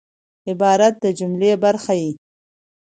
عبارت د جملې برخه يي.